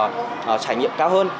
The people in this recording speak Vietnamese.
trải nghiệm cao hơn